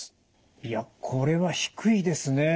いやこれは低いですね。